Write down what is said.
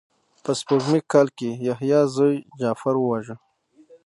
په سپوږمیز کال کې یې یحیی زوی جغفر وواژه.